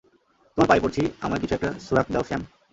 তোমার পা-এ পড়ছি, আমায় কিছু একটা সুরাখ দাও, স্যাম।